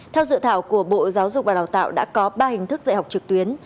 theo dự thảo của bộ giáo dục và đào tạo đã có ba hình thức dạy học trực tuyến